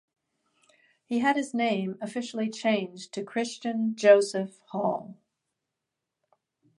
He had his name officially changed to Christian Joseph Hall.